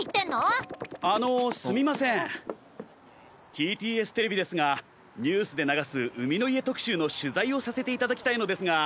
ＴＴＳテレビですがニュースで流す海の家特集の取材をさせていただきたいのですが。